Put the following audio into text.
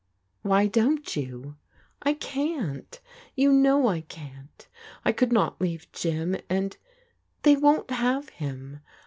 "Why don't you?" " I can't. You know I can't I could not leave Jim and — they won't have him.